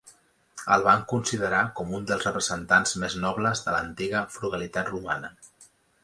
El van considerar com un dels representants més nobles de l'antiga frugalitat romana.